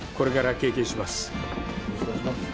よろしくお願いします。